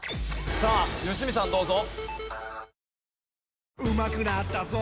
さあ良純さんどうぞ。